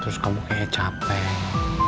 terus kamu kayak capek